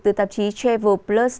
từ tạp chí travel plus